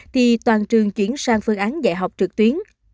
thì toàn trường chuyển sang phương án dạy học trực tuyến